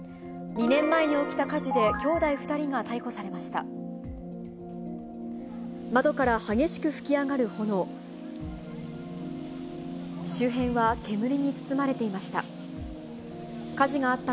２年前に起きた火事で、兄弟２人が逮捕されました。